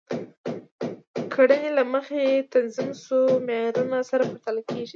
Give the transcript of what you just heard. کړنې له مخکې تنظیم شوو معیارونو سره پرتله کیږي.